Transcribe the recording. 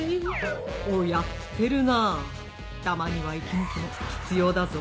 「おっやってるなぁたまには息抜きも必要だぞ」。